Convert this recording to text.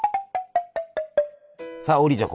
さあ王林ちゃん